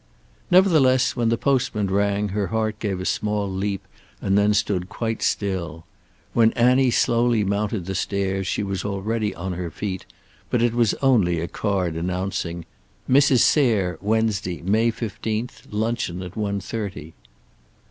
Nevertheless when the postman rang her heart gave a small leap and then stood quite still. When Annie slowly mounted the stairs she was already on her feet, but it was only a card announcing: "Mrs. Sayre, Wednesday, May fifteenth, luncheon at one thirty."